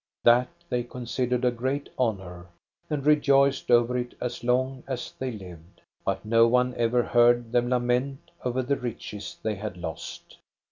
That they considered a great honor, and rejoiced over it as long as they lived. But no one ever heard them lament over the riches they had lost.